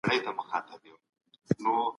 ميرويس خان نيکه په ستونزو کي څنګه صبر کاوه؟